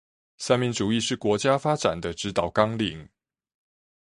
三民主義是國家發展的指導綱領